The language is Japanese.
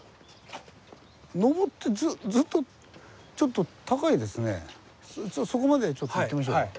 上ってずっとちょっとそこまでちょっと行ってみましょうか。